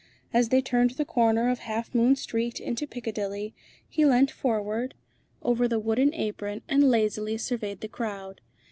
As they turned the corner of Half Moon Street into Piccadilly, he leant forward over the wooden apron and lazily surveyed the crowd.